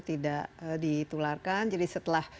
tidak ditularkan jadi setelah